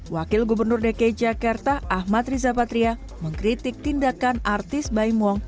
wakil gubernur dki jakarta ahmad riza patria mengkritik tindakan artis baim wong